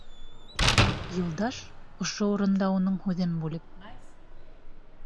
Юлдаш, ошо урында уның һүҙен бүлеп: